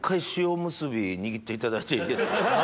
にぎっていただいていいですか？